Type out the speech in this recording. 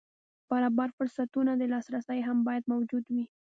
برابر فرصتونو ته لاسرسی هم باید موجود وي.